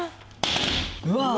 うわ！